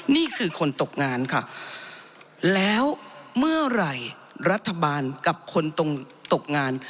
นี่คือคนตกงานค่ะแล้วเมื่อไหร่รัฐบาลกับคนตรงตกงาน